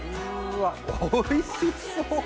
うわおいしそう！